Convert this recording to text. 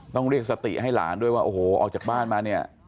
ต้องเรียกสติให้หลานด้วยว่าโอ้โหออกจากบ้านมาเนี่ย